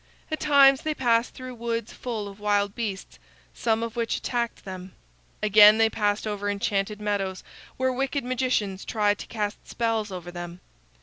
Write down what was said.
At times they passed through woods full of wild beasts, some of which attacked them. Again they passed over enchanted meadows where wicked magicians tried to cast spells over them.